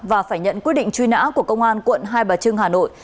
và phải nhận quyết định truy nã của công an quận hai bà trưng hà nội